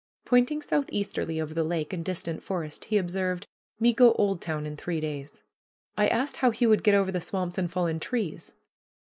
Pointing southeasterly over the lake and distant forest, he observed, "Me go Oldtown in three days." I asked how he would get over the swamps and fallen trees.